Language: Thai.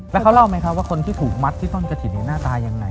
แล้วเขาเล่าไหมครับว่าคนที่ถูกมัดที่ต้นกระถิ่นหน้าตายังไง